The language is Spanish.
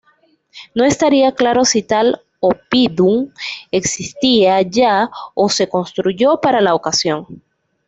No estaría claro si tal "oppidum" existía ya o se construyó para la ocasión.